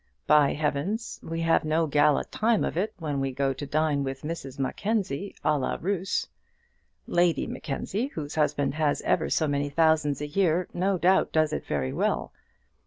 By Heavens, we have no gala time of it when we go to dine with Mrs Mackenzie à la Russe! Lady Mackenzie, whose husband has ever so many thousands a year, no doubt does it very well.